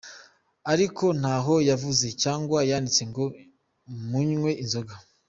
Ariko ntaho yavuze cyangwa yanditse ngo munywe inzoga.